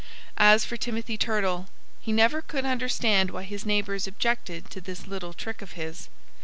As for Timothy Turtle, he never could understand why his neighbors objected to this little trick of his.